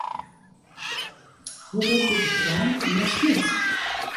Hoe let giet de trein nei Snits?